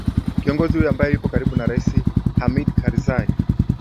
kiongozi huyo ambaye yupo karibu na rais hamid karzai